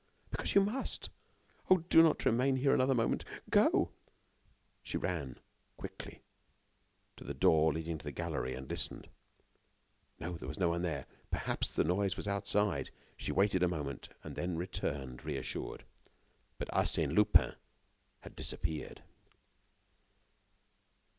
"Because you must. Oh! do not remain here another minute. Go!" She ran, quickly, to the door leading to the gallery and listened. No, there was no one there. Perhaps the noise was outside. She waited a moment, then returned reassured. But Arsène Lupin had disappeared.